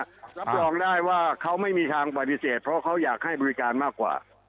รับรองได้ว่าเขาไม่มีทางปฏิเสธเพราะเขาอยากให้บริการมากกว่า